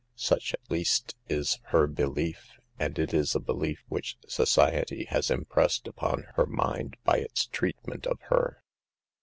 Such, at least, is her be lief, and it is a belief which society has im pressed upon her mind by its treatment of her.